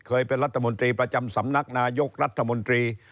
เคยเป็นรัฐมนตรีประจำสำนักนายกรัฐมนตรี